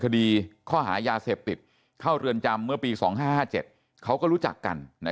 คดีข้อหายาเสพติดเข้าเรือนจำเมื่อปี๒๕๕๗เขาก็รู้จักกัน